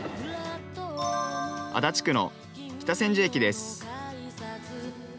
足立区の北千住駅です。